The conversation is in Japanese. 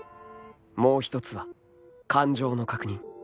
［もう一つは感情の確認］